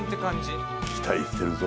期待してるぞ。